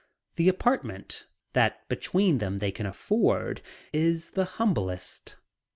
The apartment, that between them they can afford, is the humblest.